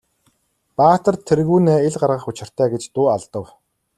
Баатар тэргүүнээ ил гаргах учиртай гэж дуу алдав.